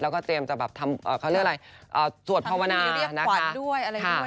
แล้วก็เตรียมจะแบบทำเขาเรียกว่าอะไรสวดภาวนานะคะ